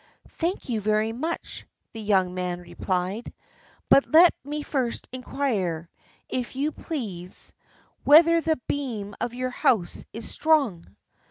"Thank you very much," the young man replied; "but let me first inquire, if you please, whether the beam of your house is strong."